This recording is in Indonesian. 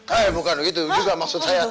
eh bukan begitu juga maksud saya